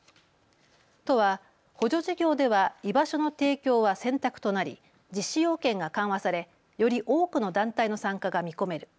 都は補助事業では居場所の提供は選択となり、実施要件が緩和されより多くの団体の参加が見込める。